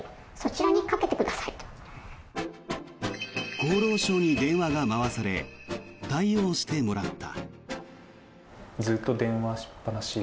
厚労省に電話が回され対応してもらった。